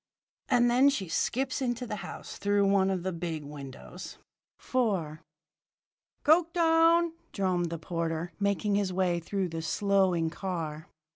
_' "And then she skips into the house through one of the big windows." IV "Coketown!" droned the porter, making his way through the slowing car.